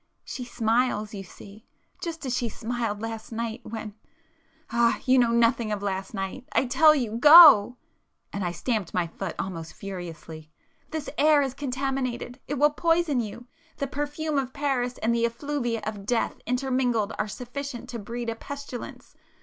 She smiles, you see,—just as she smiled last night when, ... ah, you know nothing of last night! I tell you, go!" and I stamped my foot almost [p 395] furiously,—"This air is contaminated,—it will poison you! The perfume of Paris and the effluvia of death intermingled are sufficient to breed a pestilence!